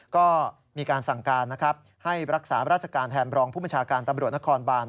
ก็มีการสั่งการนะครับให้รักษาราชการแทนรองผู้บัญชาการตำรวจนครบาน